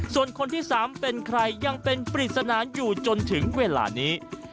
ส่วนคนที่๓เป็นใครยังเป็นปริศนาอยู่จนถึงเวลานี้